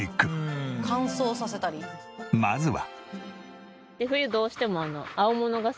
まずは。